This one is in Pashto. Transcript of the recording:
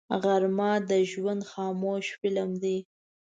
غرمه د ژوند خاموش فلم دی